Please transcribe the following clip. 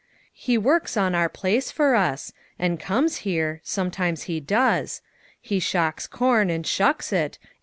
He works on our place fer us, An' comes here sometimes he does. He shocks corn an' shucks it.